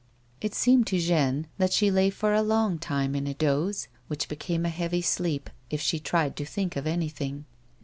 It seemed to Jeanne that she lay for a long time in a doze, which became a heavy sleep if she tried to think of anything.